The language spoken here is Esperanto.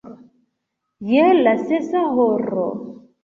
je la sesa horo.